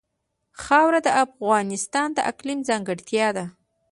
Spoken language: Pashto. خاوره د افغانستان د اقلیم ځانګړتیا ده.